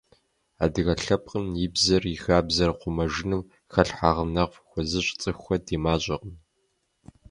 Адыгэ лъэпкъым и бзэр, и хабзэр хъумэжыным хэлъхьэныгъэфӀ хуэзыщӀ цӀыхухэр ди мащӀэкъым.